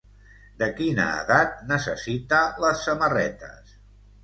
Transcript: De quina edat necessita les samarretes?